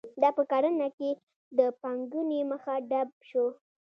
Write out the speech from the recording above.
دا په کرنه کې د پانګونې مخه ډپ شوه.